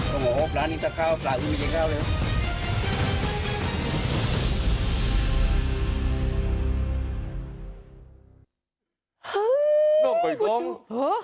โอ้โหร้านนี้จะข้าวปล่าอุ่นไม่ได้ข้าวเลย